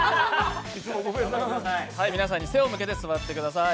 皆さんに背を向けて座ってください。